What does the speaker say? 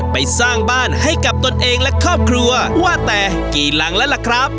ไปสร้างบ้านให้กับตนเองและครอบครัวว่าแต่กี่หลังแล้วล่ะครับ